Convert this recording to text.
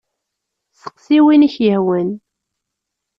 Seqsi win i k-yehwan!